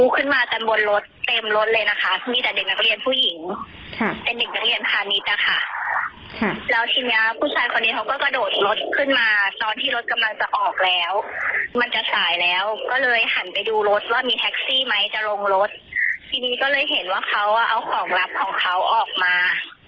ก็เลยหันไปดูรถว่ามีแท็กซี่ไหมจะลงรถทีนี้ก็เลยเห็นว่าเขาเอาของลับของเขาออกมา